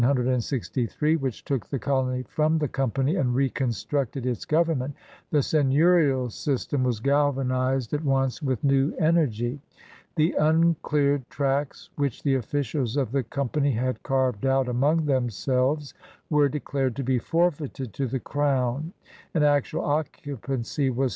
SEIGNEURS OP OLD CANADA 189 With the royal action of 166S which took the colony from the 0>mpany and reconstructed its government, the seigneurial system was galvanized at once with new energy. The uncleared tracts which the officials of the G>mpany had carved out among themselves were declared to be forfeited to the Crown and actual occupancy was.